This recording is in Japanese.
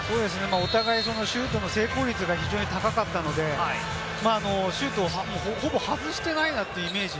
お互い、シュートの成功率が非常に高かったので、シュートはほぼ外していないなというイメージ。